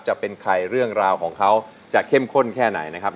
จะเป็นใครเรื่องราวของเขาจะเข้มข้นแค่ไหนนะครับ